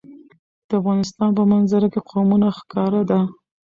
د افغانستان په منظره کې قومونه ښکاره ده.